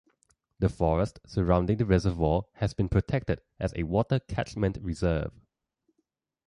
The forest surrounding the reservoir has been protected as a water catchment reserve.